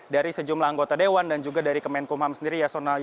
dari sejumlah anggota dewan dan juga dari kemenkumham sendiri yasona